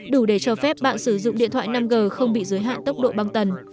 đủ để cho phép bạn sử dụng điện thoại năm g không bị giới hạn tốc độ băng tần